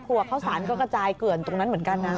ครอบครัวเข้าสารก็กระจายเกือนตรงนั้นเหมือนกันนะ